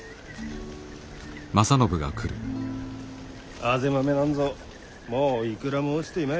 あぜ豆なんぞもういくらも落ちていまい。